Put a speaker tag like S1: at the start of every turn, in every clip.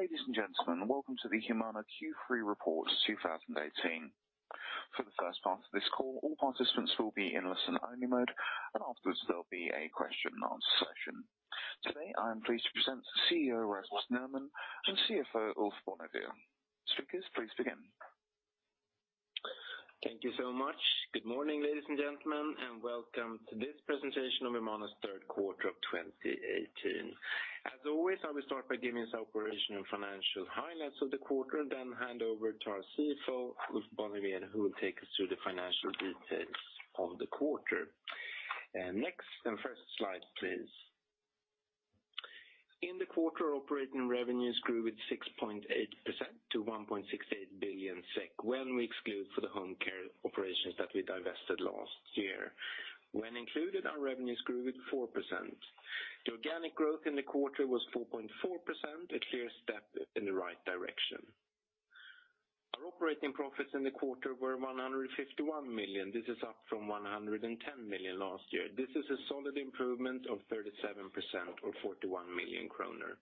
S1: Ladies and gentlemen, welcome to the Humana Q3 Report 2018. For the first part of this call, all participants will be in listen-only mode. Afterwards, there will be a question and answer session. Today, I am pleased to present CEO Rasmus Nerman and CFO Ulf Bonnevier. Speakers, please begin.
S2: Thank you so much. Good morning, ladies and gentlemen, welcome to this presentation of Humana's third quarter of 2018. As always, I will start by giving us operational and financial highlights of the quarter. Hand over to our CFO, Ulf Bonnevier, who will take us through the financial details of the quarter. Next, first slide, please. In the quarter, operating revenues grew at 6.8% to 1.68 billion SEK, when we exclude the home care operations that we divested last year. When included, our revenues grew at 4%. The organic growth in the quarter was 4.4%, a clear step in the right direction. Our operating profits in the quarter were 151 million. This is up from 110 million last year. This is a solid improvement of 37% or 41 million kronor.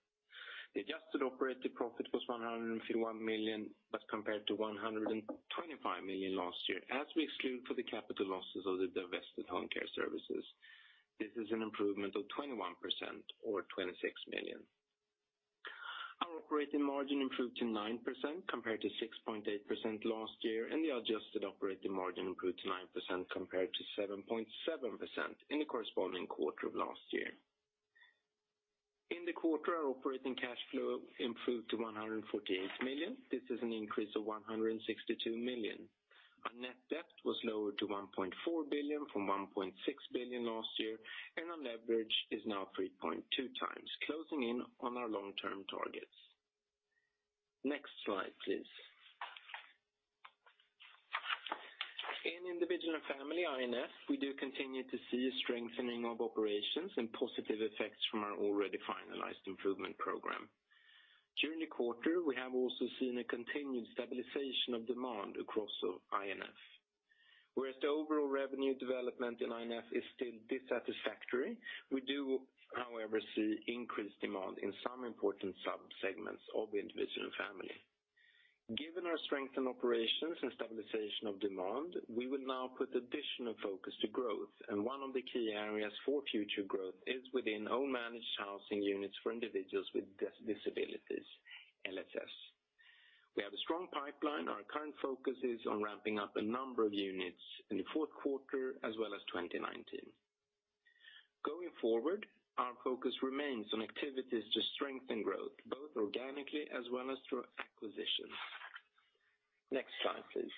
S2: The adjusted operating profit was 151 million as compared to 125 million last year. As we exclude the capital losses of the divested home care services, this is an improvement of 21% or 26 million. Our operating margin improved to 9% compared to 6.8% last year. The adjusted operating margin improved to 9% compared to 7.7% in the corresponding quarter of last year. In the quarter, our operating cash flow improved to 148 million. This is an increase of 162 million. Our net debt was lowered to 1.4 billion from 1.6 billion last year. Our leverage is now 3.2 times, closing in on our long-term targets. Next slide, please. In Individual & Family, I&F, we do continue to see a strengthening of operations and positive effects from our already finalized improvement program. During the quarter, we have also seen a continued stabilization of demand across I&F. Whereas the overall revenue development in I&F is still dissatisfactory, we do, however, see increased demand in some important sub-segments of the Individual & Family. Given our strength in operations and stabilization of demand, we will now put additional focus to growth. One of the key areas for future growth is within own managed housing units for individuals with disabilities, LSS. We have a strong pipeline. Our current focus is on ramping up a number of units in the fourth quarter as well as 2019. Going forward, our focus remains on activities to strengthen growth, both organically as well as through acquisitions. Next slide, please.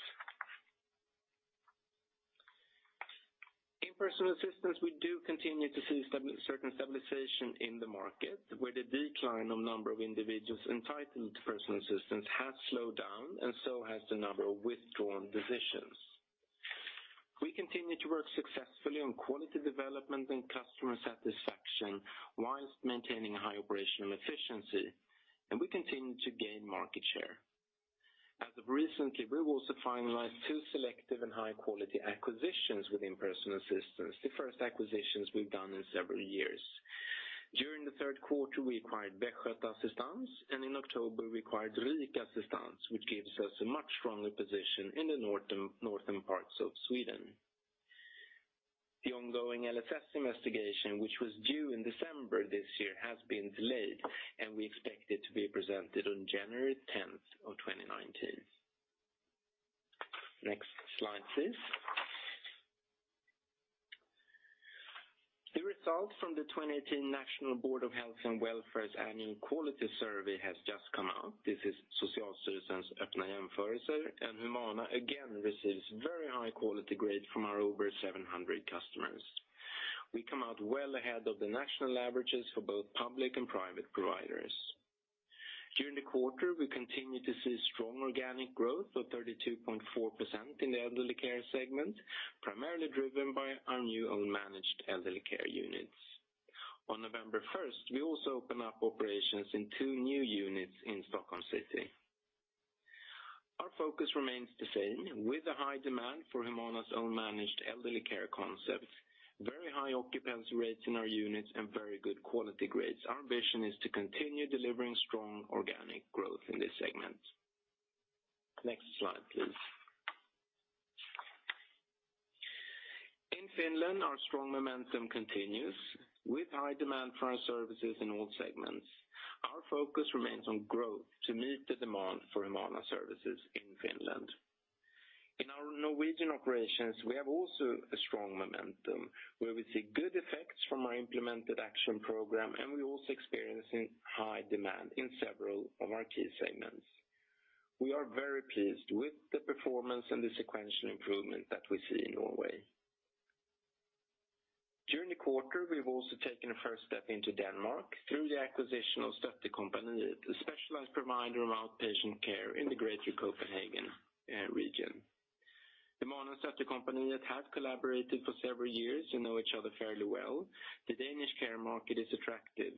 S2: In Personal Assistance, we do continue to see certain stabilization in the market, where the decline of number of individuals entitled to Personal Assistance has slowed down. So has the number of withdrawn decisions. We continue to work successfully on quality development and customer satisfaction while maintaining high operational efficiency, and we continue to gain market share. As of recently, we have also finalized two selective and high-quality acquisitions within personal assistance, the first acquisitions we've done in several years. During the third quarter, we acquired Västgöta Assistans, and in October, we acquired RIK Assistans, which gives us a much stronger position in the northern parts of Sweden. The ongoing LSS investigation, which was due in December this year, has been delayed, and we expect it to be presented on January 10th of 2019. Next slide, please. The result from the 2018 National Board of Health and Welfare's annual quality survey has just come out. This is Socialstyrelsens Öppna jämförelser, and Humana again receives very high-quality grade from our over 700 customers. We come out well ahead of the national averages for both public and private providers. During the quarter, we continued to see strong organic growth of 32.4% in the Elderly Care segment, primarily driven by our new own managed elderly care units. On November 1st, we also opened up operations in two new units in Stockholm City. Our focus remains the same with a high demand for Humana's own managed elderly care concepts, very high occupancy rates in our units, and very good quality grades. Our vision is to continue delivering strong organic growth in this segment. Next slide, please. In Finland, our strong momentum continues with high demand for our services in all segments. Our focus remains on growth to meet the demand for Humana services in Finland. In our Norwegian operations, we have also a strong momentum where we see good effects from our implemented action program, and we are also experiencing high demand in several of our key segments. We are very pleased with the performance and the sequential improvement that we see in Norway. During the quarter, we have also taken a first step into Denmark through the acquisition of StøtteCompagniet, a specialized provider of outpatient care in the greater Copenhagen region. Humana StøtteCompagniet has collaborated for several years and know each other fairly well. The Danish care market is attractive.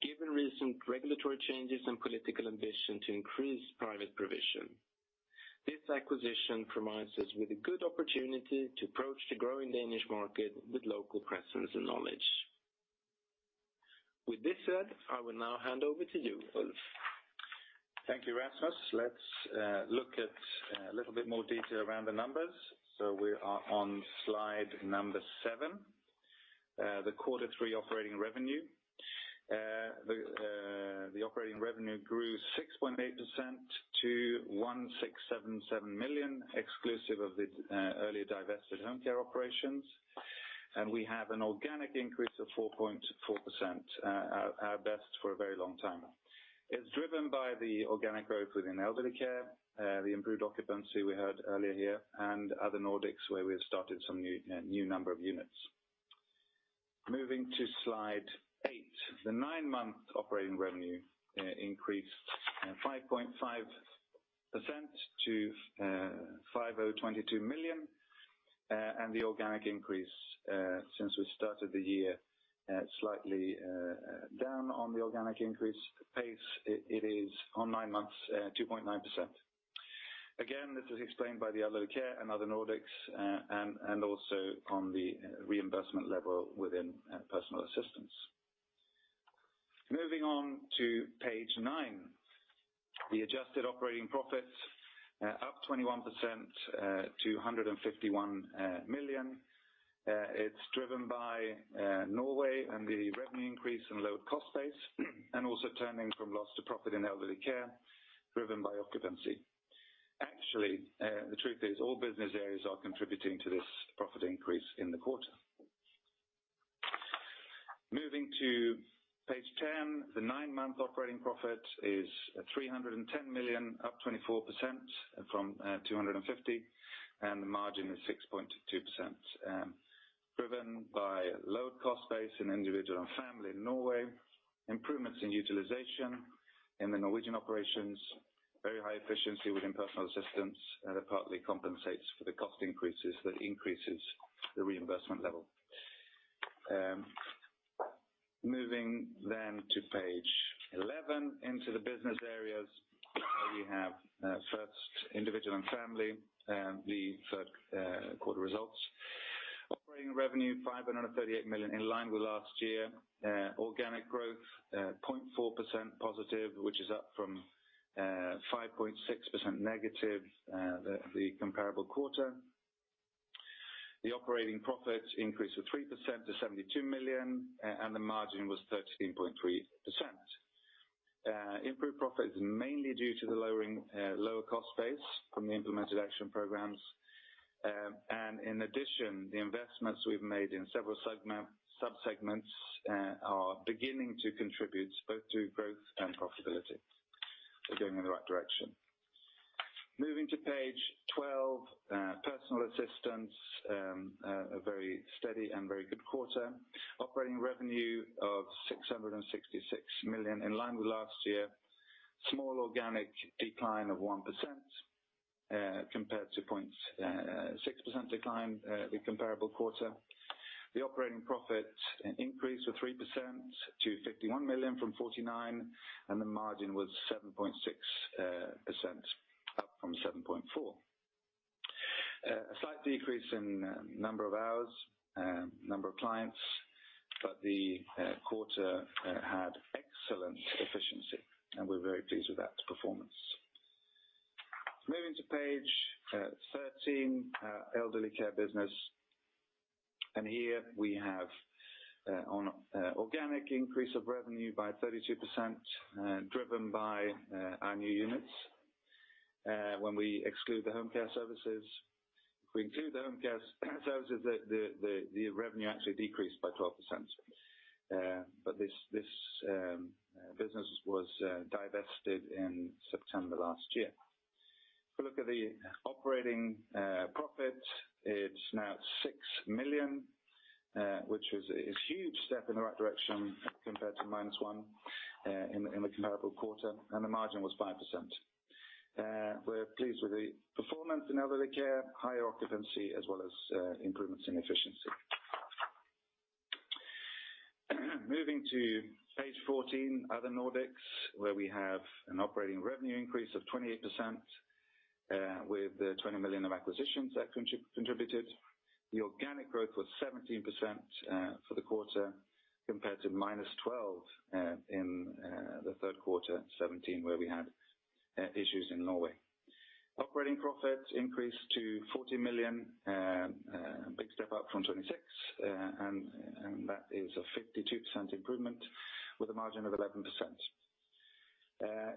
S2: Given recent regulatory changes and political ambition to increase private provision. This acquisition provides us with a good opportunity to approach the growing Danish market with local presence and knowledge. With this said, I will now hand over to you, Ulf.
S3: Thank you, Rasmus. Let's look at a little bit more detail around the numbers. We are on slide number seven, the quarter three operating revenue. The operating revenue grew 6.8% to 1,677 million, exclusive of the earlier divested home care operations. We have an organic increase of 4.4%, our best for a very long time. It's driven by the organic growth within Elderly Care, the improved occupancy we heard earlier here, and Other Nordics, where we have started some new number of units. Moving to slide eight. The nine-month operating revenue increased 5.5% to 5,022 million, and the organic increase, since we started the year, slightly down on the organic increase pace. It is, on nine months, 2.9%. Again, this is explained by the Elderly Care and Other Nordics, and also on the reimbursement level within Personal Assistance. Moving on to page nine. The adjusted operating profits up 21% to 151 million. It's driven by Norway and the revenue increase and lower cost base, and also turning from loss to profit in Elderly Care, driven by occupancy. Actually, the truth is all business areas are contributing to this profit increase in the quarter. Moving to page 10. The nine-month operating profit is 310 million, up 24% from 250 million, and the margin is 6.2%, driven by lower cost base in Individual & Family Norway, improvements in utilization in the Norwegian operations, very high efficiency within Personal Assistance, and it partly compensates for the cost increases that increases the reimbursement level. Moving to page 11, into the business areas, where you have first Individual & Family, the third quarter results. Operating revenue, 538 million, in line with last year. Organic growth, 0.4% positive, which is up from 5.6% negative the comparable quarter. The operating profit increased 3% to 72 million, and the margin was 13.3%. Improved profit is mainly due to the lower cost base from the implemented action programs. In addition, the investments we've made in several sub-segments are beginning to contribute both to growth and profitability. We're going in the right direction. Moving to page 12, Personal Assistance, a very steady and very good quarter. Operating revenue of 666 million, in line with last year. Small organic decline of 1% compared to 0.6% decline the comparable quarter. The operating profit increased 3% to 51 million from 49 million, and the margin was 7.6%, up from 7.4%. A slight decrease in number of hours, number of clients, but the quarter had excellent efficiency, and we're very pleased with that performance. Moving to page 13, Elderly Care business. Here we have an organic increase of revenue by 32% driven by our new units. When we exclude the home care services, if we include the home care services, the revenue actually decreased by 12%. This business was divested in September last year. If you look at the operating profit, it's now 6 million, which is a huge step in the right direction compared to minus 1 million in the comparable quarter, and the margin was 5%. We're pleased with the performance in Elderly Care, high occupancy, as well as improvements in efficiency. Moving to page 14, Other Nordics, where we have an operating revenue increase of 28% with 20 million of acquisitions that contributed. The organic growth was 17% for the quarter compared to minus 12% in the third quarter 2017, where we had issues in Norway. Operating profits increased to 40 million, a big step up from 26 million, and that is a 52% improvement with a margin of 11%.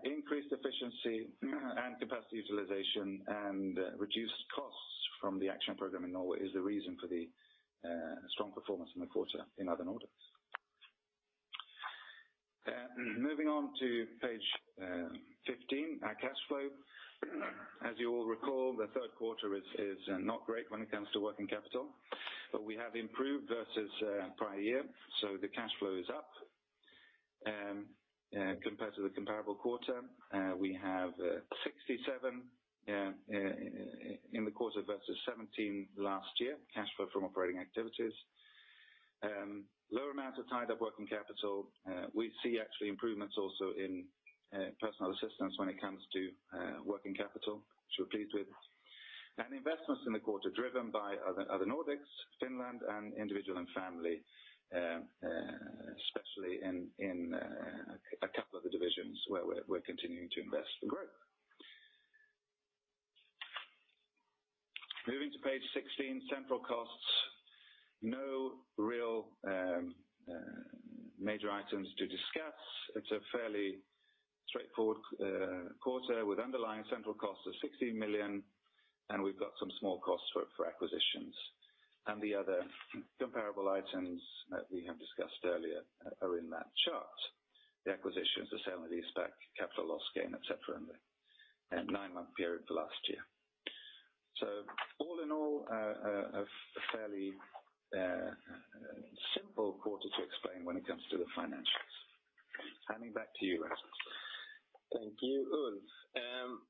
S3: Increased efficiency and capacity utilization and reduced costs from the action program in Norway is the reason for the strong performance in the quarter in Other Nordics. Moving on to page 15, our cash flow. As you all recall, the third quarter is not great when it comes to working capital, but we have improved versus prior year, so the cash flow is up compared to the comparable quarter. We have 67 million in the quarter versus 17 million last year, cash flow from operating activities. Lower amounts of tied-up working capital. We see actually improvements also in Personal Assistance when it comes to working capital, which we're pleased with. Investments in the quarter driven by Other Nordics, Finland, and Individual & Family, especially in a couple of the divisions where we are continuing to invest for growth. Moving to page 16, central costs. No real major items to discuss. It is a fairly straightforward quarter with underlying central costs of 60 million, and we have got some small costs for acquisitions. The other comparable items that we have discussed earlier are in that chart. The acquisitions, the sale of the ISPAQ, capital loss gain, et cetera, in the nine-month period for last year. All in all, a fairly simple quarter to explain when it comes to the financials. Handing back to you, Rasmus.
S2: Thank you, Ulf.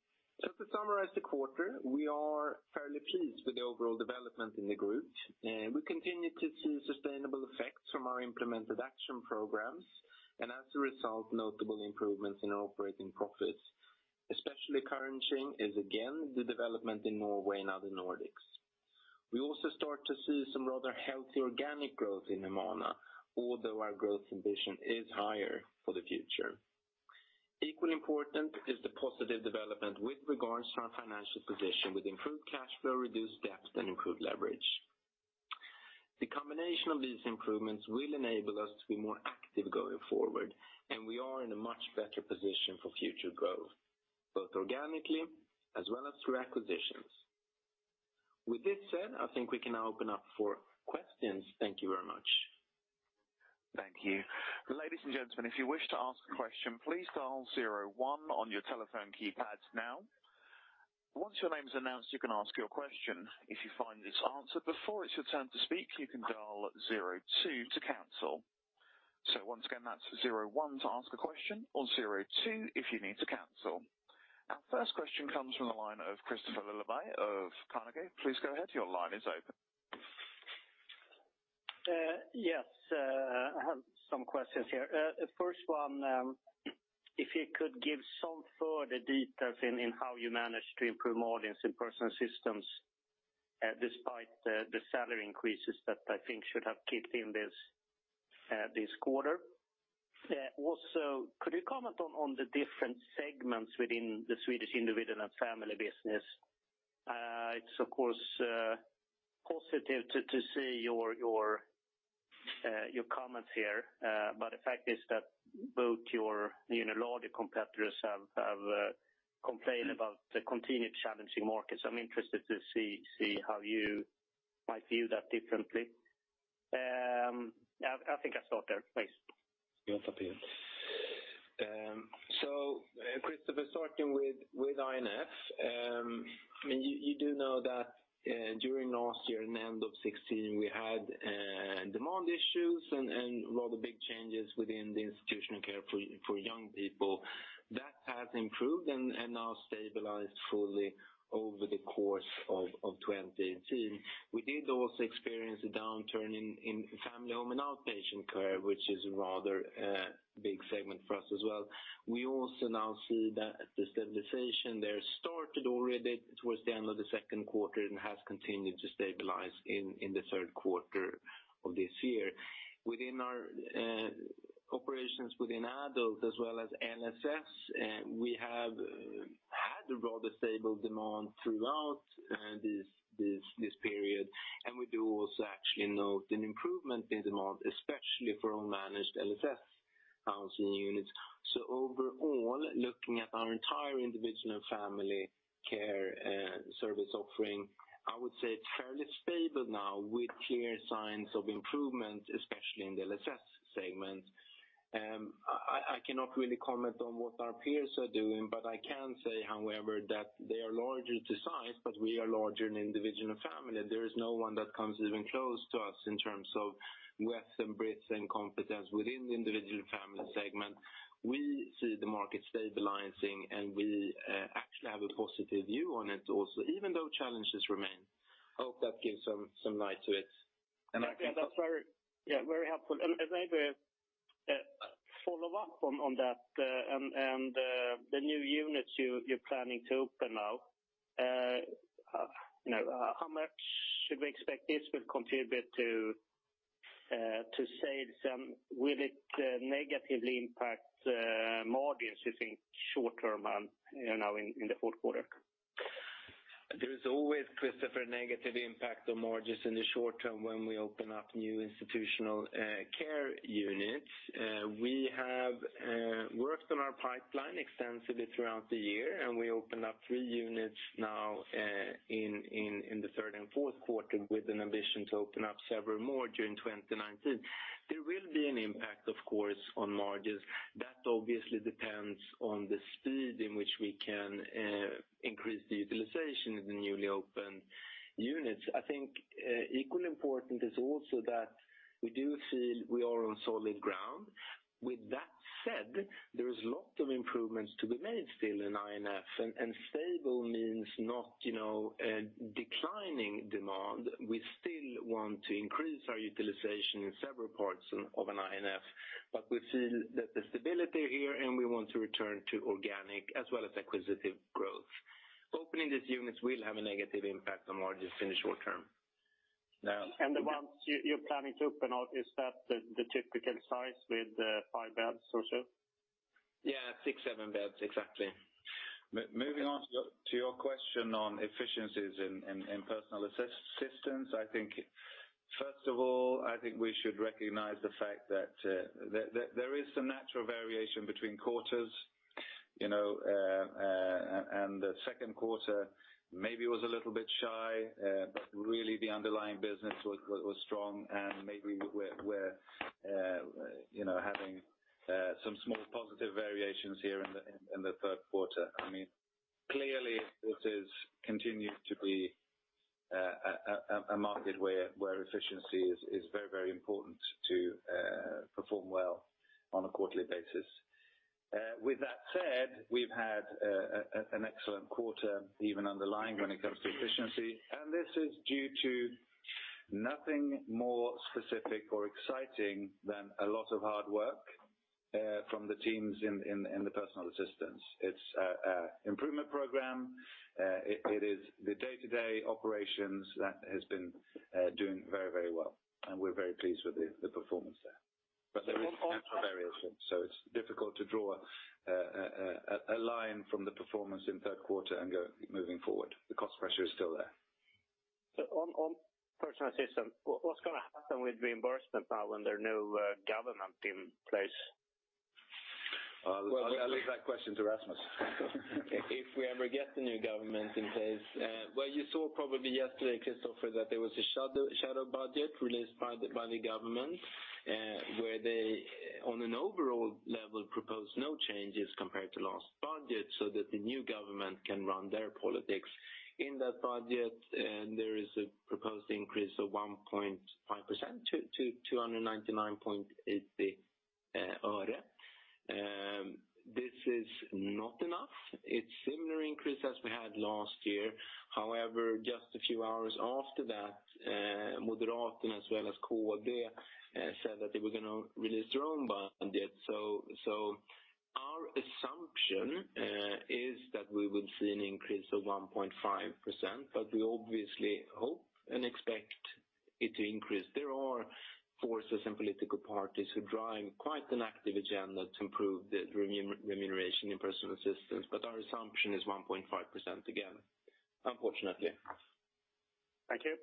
S2: Just to summarize the quarter, we are fairly pleased with the overall development in the group. We continue to see sustainable effects from our implemented action programs, and as a result, notable improvements in our operating profits, especially encouraging is again, the development in Norway and Other Nordics. We also start to see some rather healthy organic growth in Humana, although our growth ambition is higher for the future. Equally important is the positive development with regards to our financial position with improved cash flow, reduced debt, and improved leverage. The combination of these improvements will enable us to be more active going forward, and we are in a much better position for future growth, both organically as well as through acquisitions. With this said, I think we can now open up for questions. Thank you very much.
S1: Thank you. Ladies and gentlemen, if you wish to ask a question, please dial zero one on your telephone keypad now. Once your name is announced, you can ask your question. If you find it is answered before it is your turn to speak, you can dial zero two to cancel. Once again, that is zero one to ask a question or zero two if you need to cancel. Our first question comes from the line of Kristofer Liljeberg of Carnegie. Please go ahead. Your line is open.
S4: Yes, I have some questions here. First one, if you could give some further details in how you managed to improve margins in Personal Assistance despite the salary increases that I think should have kicked in this quarter. Also, could you comment on the different segments within the Swedish Individual & Family business? It is of course positive to see your comments here. The fact is that both your larger competitors have complained about the continued challenging markets. I am interested to see how you might view that differently. I think I will stop there. Thanks.
S2: You want to begin? Kristofer, starting with INF. You do know that during last year, in the end of 2016, we had demand issues and rather big changes within the institutional care for young people. That has improved and now stabilized fully over the course of 2018. We did also experience a downturn in family home and outpatient care, which is a rather big segment for us as well. We also now see that the stabilization there started already towards the end of the second quarter and has continued to stabilize in the third quarter of this year. Within our operations within adult as well as LSS, we have had a rather stable demand throughout this period, and we do also actually note an improvement in demand, especially for unmanaged LSS housing units. Overall, looking at our entire Individual & Family care service offering, I would say it's fairly stable now with clear signs of improvement, especially in the LSS segment. I cannot really comment on what our peers are doing, but I can say, however, that they are larger to size, but we are larger in Individual & Family. There is no one that comes even close to us in terms of breadth and competence within the Individual & Family segment. We see the market stabilizing, and we actually have a positive view on it also, even though challenges remain. I hope that gives some light to it.
S4: Yeah, that's very helpful. Maybe a follow-up on that and the new units you're planning to open now. How much should we expect this will contribute to sales, and will it negatively impact margins, you think, short term and now in the fourth quarter?
S2: There is always, Kristofer, a negative impact on margins in the short term when we open up new institutional care units. We have worked on our pipeline extensively throughout the year, and we opened up three units now in the third and fourth quarter with an ambition to open up several more during 2019. There will be an impact, of course, on margins. That obviously depends on the speed in which we can increase the utilization of the newly opened units. I think equally important is also that we do feel we are on solid ground. With that said, there is lots of improvements to be made still in INF, and stable means not declining demand. We still want to increase our utilization in several parts of an INF, but we feel that there's stability here, and we want to return to organic as well as acquisitive growth. Opening these units will have a negative impact on margins in the short term.
S4: The ones you're planning to open up, is that the typical size with five beds or so?
S2: Yeah. Six, seven beds. Exactly.
S3: Moving on to your question on efficiencies in Personal Assistance. First of all, I think we should recognize the fact that there is some natural variation between quarters, and the second quarter maybe was a little bit shy. Really the underlying business was strong and maybe we're having some small positive variations here in the third quarter. Clearly, this has continued to be a market where efficiency is very important to perform well on a quarterly basis. With that said, we've had an excellent quarter, even underlying when it comes to efficiency, and this is due to nothing more specific or exciting than a lot of hard work from the teams in the Personal Assistance. It's improvement program. It is the day-to-day operations that has been doing very well, and we're very pleased with the performance there. There is natural variation, so it's difficult to draw a line from the performance in third quarter and go moving forward. The cost pressure is still there.
S4: On Personal Assistance, what's going to happen with reimbursement now when there are no government in place?
S3: I'll leave that question to Rasmus.
S2: If we ever get the new government in place. You saw probably yesterday, Kristofer, that there was a shadow budget released by the government, where they, on an overall level, proposed no changes compared to last budget, so that the new government can run their politics. In that budget, there is a proposed increase of 1.5% to SEK 299.8. This is not enough. It's similar increase as we had last year. However, just a few hours after that, Moderaterna as well as Kristdemokraterna said that they were going to release their own budget. Our assumption is that we would see an increase of 1.5%, but we obviously hope and expect it to increase. There are forces and political parties who drive quite an active agenda to improve the remuneration in Personal Assistance, but our assumption is 1.5% again. Unfortunately.
S4: Thank you.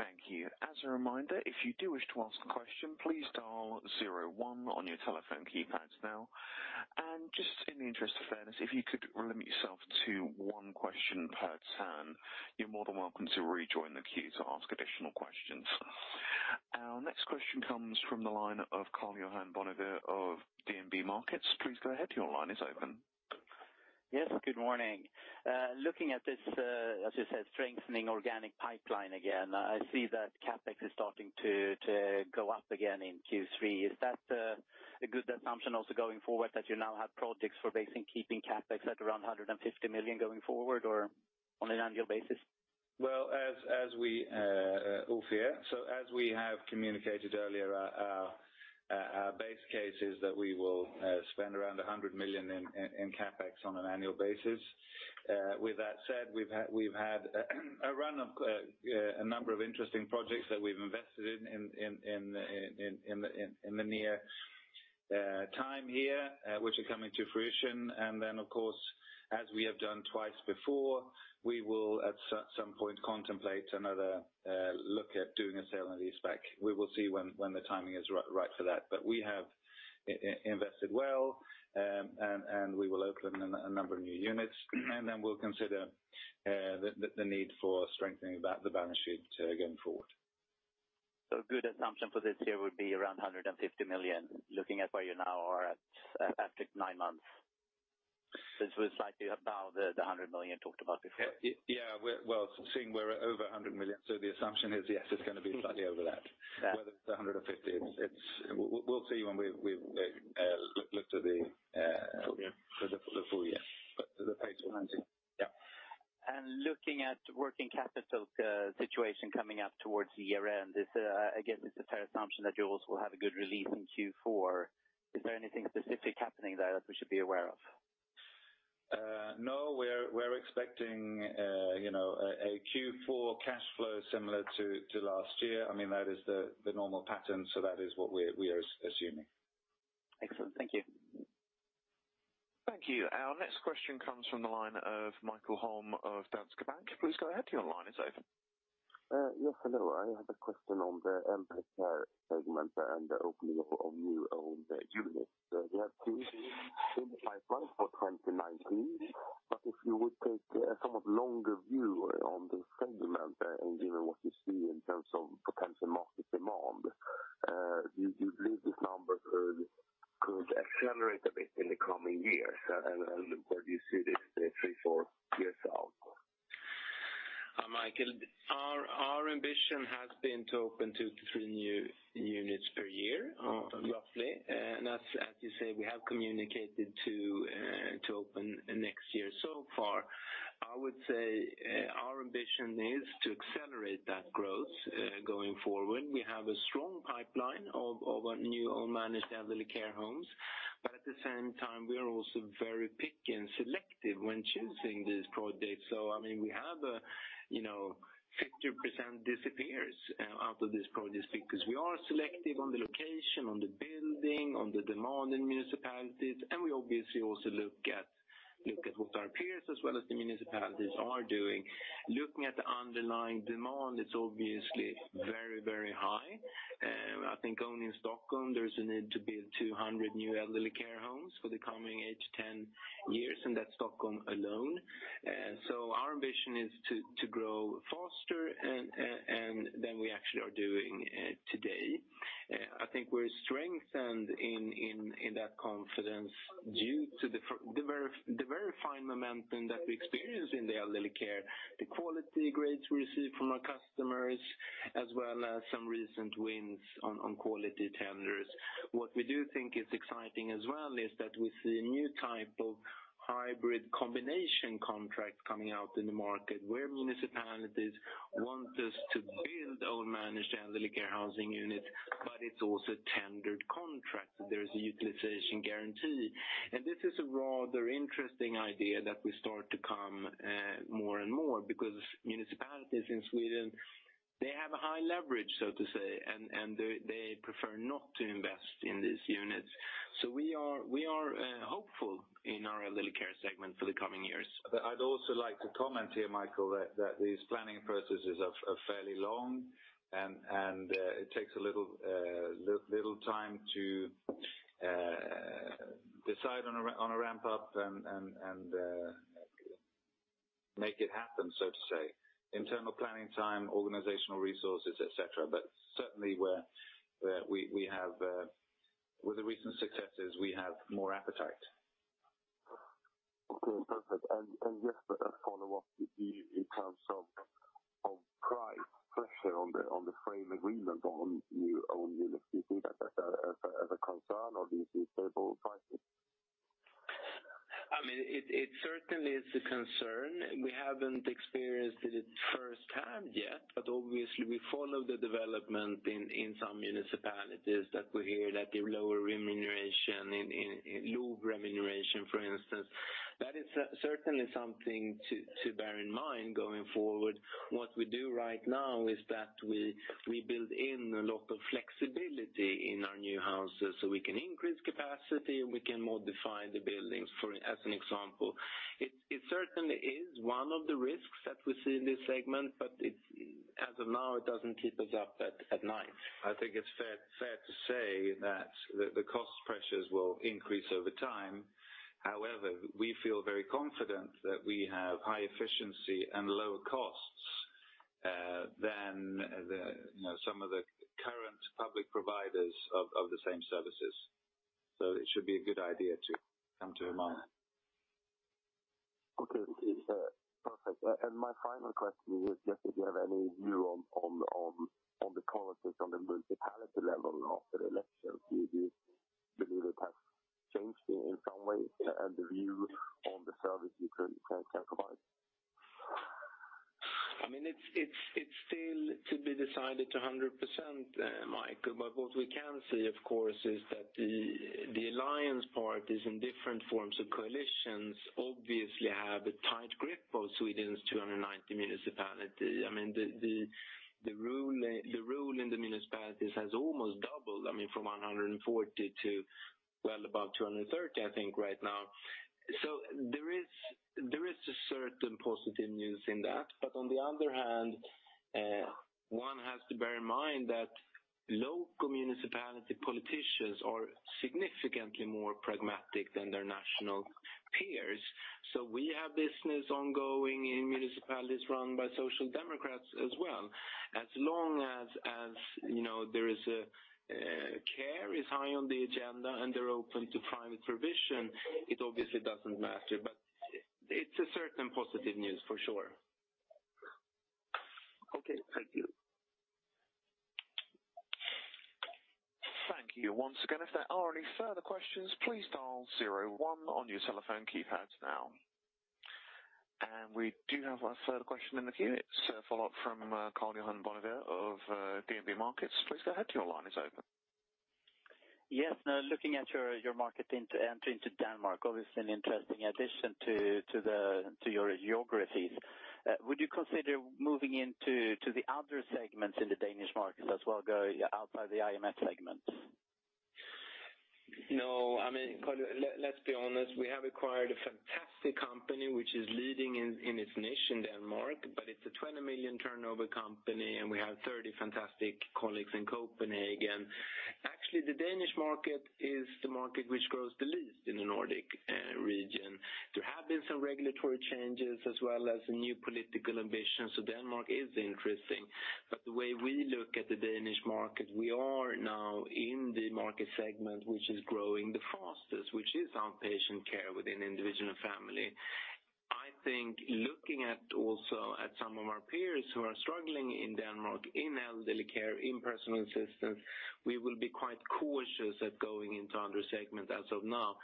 S1: Thank you. As a reminder, if you do wish to ask a question, please dial 01 on your telephone keypads now. Just in the interest of fairness, if you could limit yourself to one question per turn. You're more than welcome to rejoin the queue to ask additional questions. Our next question comes from the line of Karl-Johan Bonnevier of DNB Markets. Please go ahead. Your line is open.
S5: Good morning. Looking at this, as you said, strengthening organic pipeline again. I see that CapEx is starting to go up again in Q3. Is that a good assumption also going forward that you now have projects for basically keeping CapEx at around 150 million going forward or on an annual basis?
S3: Well, Ulf here. As we have communicated earlier, our base case is that we will spend around 100 million in CapEx on an annual basis. With that said, we've had a run of a number of interesting projects that we've invested in the near time here, which are coming to fruition. Of course, as we have done twice before, we will at some point contemplate another look at doing a sale and leaseback. We will see when the timing is right for that. We have invested well, and we will open a number of new units. We'll consider the need for strengthening the balance sheet going forward.
S5: A good assumption for this year would be around 150 million, looking at where you now are at after nine months. This was slightly above the 100 million talked about before.
S3: Well, seeing we're over 100 million, the assumption is yes, it's going to be slightly over that.
S5: Yeah.
S3: Whether it's 150, we'll see when we look to the
S5: Full year.
S3: For the full year. The pace we're hunting. Yeah.
S5: Looking at working capital situation coming up towards the year end, I guess it's a fair assumption that you also will have a good release in Q4. Is there anything specific happening there that we should be aware of?
S3: No, we're expecting a Q4 cash flow similar to last year. That is the normal pattern, so that is what we are assuming.
S5: Excellent. Thank you.
S1: Thank you. Our next question comes from the line of Mikael Holm of Danske Bank. Please go ahead. Your line is open.
S6: Yes. Hello. I have a question on the Elderly Care segment and the opening of new unit. You have two in pipeline for 2019, if you would take a somewhat longer view on the segment and given what you see in terms of potential market demand, do you believe this number could accelerate a bit in the coming years? Where do you see this in the three, four years out?
S2: Mikael, our ambition has been to open two to three new units per year, roughly. As you say, we have communicated to open next year so far. I would say our ambition is to accelerate that growth going forward. We have a strong pipeline of our new own managed Elderly Care homes. At the same time, we are also very picky and selective when choosing these projects. We have 50% disappears out of these projects because we are selective on the location, on the building, on the demand in municipalities, and we obviously also look at what our peers as well as the municipalities are doing. Looking at the underlying demand, it's obviously very high. I think only in Stockholm, there's a need to build 200 new Elderly Care homes for the coming age 10 years, and that's Stockholm alone. Our ambition is to grow faster than we actually are doing today. I think we're strengthened in that confidence due to the very fine momentum that we experience in the Elderly Care, the quality grades we receive from our customers, as well as some recent wins on quality tenders. What we do think is exciting as well is that we see a new type of hybrid combination contract coming out in the market where municipalities want us to build our managed Elderly Care housing units, but it's also a tendered contract. There is a utilization guarantee. This is a rather interesting idea that we start to come more and more because municipalities in Sweden have a high leverage, so to say, and they prefer not to invest in these units. We are hopeful in our Elderly Care segment for the coming years.
S3: I'd also like to comment here, Mikael, that these planning processes are fairly long, and it takes a little time to decide on a ramp-up and make it happen, so to say. In terms of planning time, organizational resources, et cetera. Certainly, with the recent successes, we have more appetite.
S6: Okay, perfect. Just a follow-up with you in terms of price pressure on the frame agreement on new units. Do you see that as a concern or do you see stable pricing?
S2: It certainly is a concern. We haven't experienced it firsthand yet, but obviously we follow the development in some municipalities that we hear that the lower remuneration in LOU remuneration, for instance. That is certainly something to bear in mind going forward. What we do right now is that we build in a lot of flexibility in our new houses so we can increase capacity, and we can modify the buildings as an example. It certainly is one of the risks that we see in this segment, but as of now, it doesn't keep us up at night.
S3: I think it's fair to say that the cost pressures will increase over time. However, we feel very confident that we have high efficiency and lower costs than some of the current public providers of the same services. It should be a good idea to come to your mind.
S6: Okay. Perfect. My final question is, just if you have any view on the politics on the municipality level after the election. Do you believe it has changed in some way and the view on the service you can provide?
S2: It's still to be decided 100%, Mikael. What we can say, of course, is that the alliance parties in different forms of coalitions obviously have a tight grip of Sweden's 290 municipalities. The rule in the municipalities has almost doubled, from 140 to well above 230, I think right now. There is a certain positive news in that. On the other hand, one has to bear in mind that local municipality politicians are significantly more pragmatic than their national peers. We have business ongoing in municipalities run by Social Democrats as well. As long as care is high on the agenda, and they're open to private provision, it obviously doesn't matter. It's a certain positive news for sure.
S6: Okay, thank you.
S1: Thank you once again. If there are any further questions, please dial 01 on your telephone keypad now. We do have a further question in the queue. It's a follow-up from Karl-Johan Bonnevier of DNB Markets. Please go ahead, your line is open.
S5: Yes. Looking at your market entry into Denmark, obviously an interesting addition to your geographies. Would you consider moving into the other segments in the Danish market as well, going outside the I&F segment?
S2: No. Karl-Johan, let's be honest. We have acquired a fantastic company which is leading in its niche in Denmark, but it's a 20 million turnover company, and we have 30 fantastic colleagues in Copenhagen. Actually, the Danish market is the market which grows the least in the Nordic region. There have been some regulatory changes as well as new political ambitions. Denmark is interesting. The way we look at the Danish market, we are now in the market segment which is growing the fastest, which is outpatient care within. I think looking at also at some of our peers who are struggling in Denmark in Elderly Care, in Personal Assistance, we will be quite cautious at going into other segments as of now.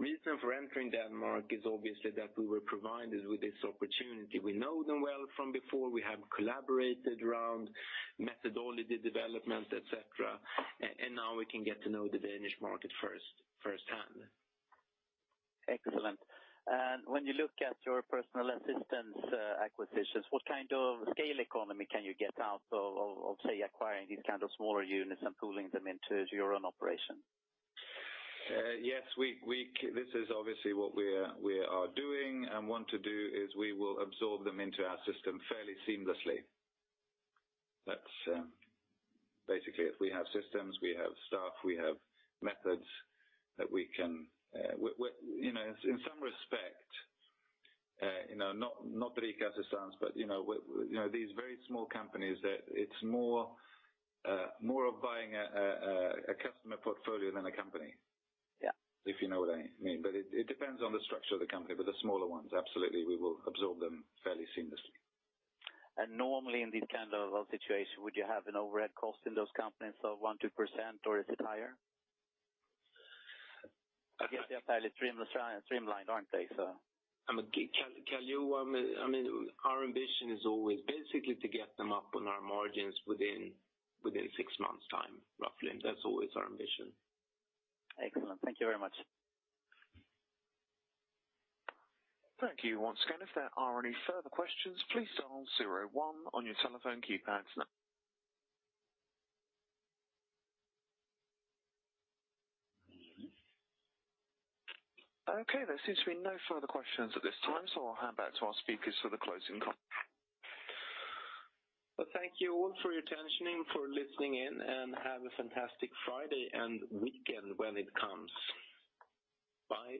S2: Reason for entering Denmark is obviously that we were provided with this opportunity. We know them well from before. We have collaborated around methodology development, et cetera. Now we can get to know the Danish market firsthand.
S5: Excellent. When you look at your Personal Assistance acquisitions, what kind of scale economy can you get out of, say, acquiring these kind of smaller units and pooling them into your own operation?
S2: This is obviously what we are doing and want to do is we will absorb them into our system fairly seamlessly. That's basically it. We have systems, we have staff, we have methods that we can In some respect, not Brækjæsesands, but these very small companies that it's more of buying a customer portfolio than a company.
S5: Yeah.
S2: If you know what I mean. It depends on the structure of the company, but the smaller ones, absolutely, we will absorb them fairly seamlessly.
S5: Normally in this kind of situation, would you have an overhead cost in those companies of one, 2%, or is it higher? I guess they're fairly streamlined, aren't they?
S2: I mean, our ambition is always basically to get them up on our margins within six months time, roughly. That's always our ambition.
S5: Excellent. Thank you very much.
S1: Thank you, once again. If there are any further questions, please dial 01 on your telephone keypads. Okay, there seems to be no further questions at this time. I'll hand back to our speakers for the closing.
S2: Well, thank you all for your attention and for listening in. Have a fantastic Friday and weekend when it comes. Bye.